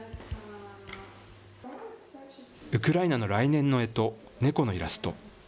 ウクライナの来年のえと、猫のイラスト。